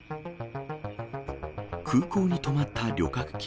空港に止まった旅客機。